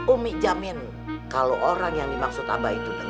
umie jamin kalo orang yang dimaksud abah itu dengerin